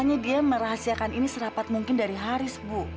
hanya dia merahasiakan ini serapat mungkin dari haris bu